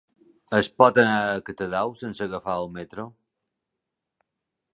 Es pot anar a Catadau sense agafar el metro?